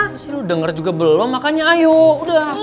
masih lo dengar juga belum makanya ayo udah